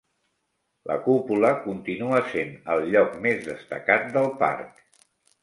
La cúpula continua sent el lloc més destacat del parc.